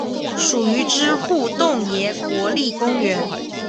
属于支笏洞爷国立公园。